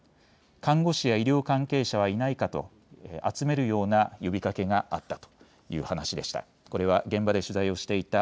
看護師や医療関係者はいないかと集めるような呼びかけがあったという話でした。